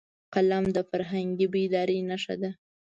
قلم د فرهنګي بیدارۍ نښه ده